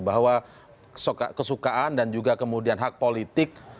bahwa kesukaan dan juga kemudian hak politik